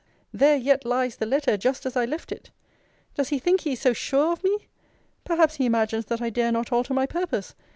there yet lies the letter, just as I left it! Does he think he is so sure of me? Perhaps he imagines that I dare not alter my purpose.